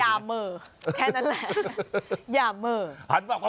ยาเมอแค่นั้นแหละ